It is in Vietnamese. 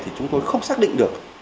thì chúng tôi không xác định được